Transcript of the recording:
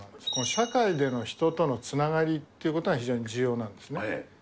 社会での人とのつながりっていうことが非常に重要なんですね。